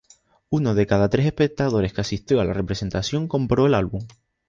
Uno de cada tres espectadores que asistió a la representación compró el álbum.